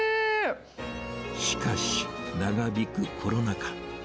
しかし、長引くコロナ禍。